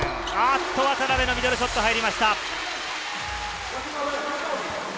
渡邉のミドルショットが入りました。